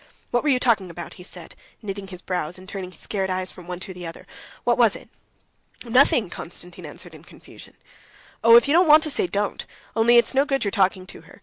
"What were you talking about?" he said, knitting his brows, and turning his scared eyes from one to the other. "What was it?" "Oh, nothing," Konstantin answered in confusion. "Oh, if you don't want to say, don't. Only it's no good your talking to her.